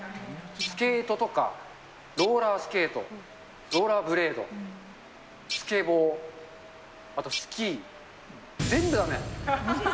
スケートとか、ローラースケート、ローラーブレード、スケボー、あとスキー、全部だめ。